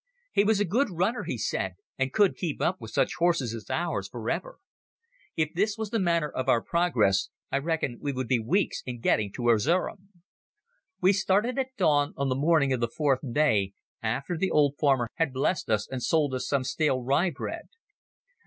He was a good runner, he said, and could keep up with such horses as ours for ever. If this was the manner of our progress, I reckoned we would be weeks in getting to Erzerum. We started at dawn on the morning of the fourth day, after the old farmer had blessed us and sold us some stale rye bread.